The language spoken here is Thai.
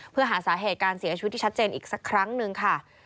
เพื่อหาสาเหตุการเสียชีวิตที่ชัดเจนอีกสักครั้งหนึ่งค่ะ